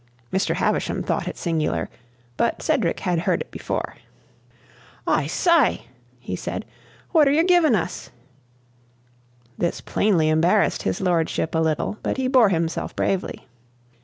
Mr. Havisham thought it singular, but Cedric had heard it before. "I soy!" he said, "what're yer givin' us?" This plainly embarrassed his lordship a little, but he bore himself bravely.